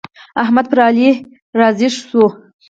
احمد پر علي را ږيز شو.